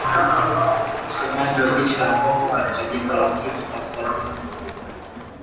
Msemaji wa jeshi la Kongo katika jimbo la Kivu Kaskazini, Kepteni Antony Mualushayi, amesema wanajeshi waliwaua wapiganaji kumi na moja